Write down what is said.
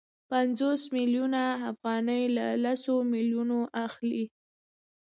پنځوس میلیونه افغانۍ له سلو میلیونو اخلي